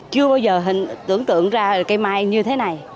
chưa bao giờ tưởng tượng ra được cây mai như thế này